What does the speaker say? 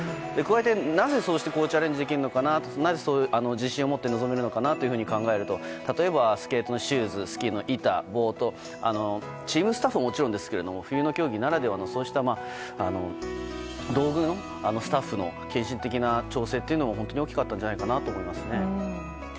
加えて、なぜチャレンジできるのかなぜそうして自信を持って臨めるのかなと考えると例えばスケートのシューズスキーの板、ボードチームスタッフはもちろん冬の競技ならではの道具とか、スタッフの献身的な調整というのも本当に大きかったんじゃないかと思いますね。